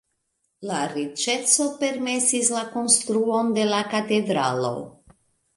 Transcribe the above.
La riĉeco permesis la konstruon de la katedralo.